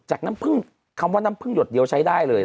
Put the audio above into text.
น้ำพึ่งคำว่าน้ำพึ่งหยดเดียวใช้ได้เลย